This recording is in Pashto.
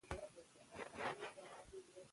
زه کتابونه لوستل خوښوم.